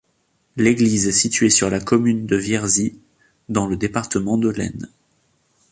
L'église est située sur la commune de Vierzy, dans le département de l'Aisne.